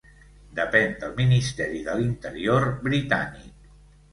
Depèn del Ministeri de l'Interior britànic.